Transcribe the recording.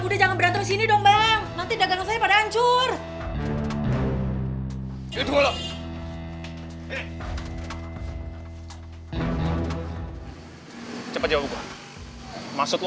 udah jangan berantem sini dong bang nanti dagang saya pada hancur itu loh cepet jawab maksud lo